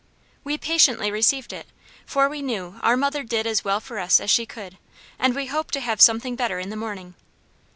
We patiently received it, for we knew our mother did as well for us as she could; and we hoped to have something better in the morning.